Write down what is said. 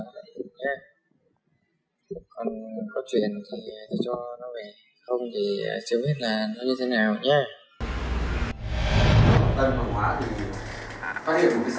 còn có chuyện thì cho nó về không thì chưa biết là nó như thế nào nhé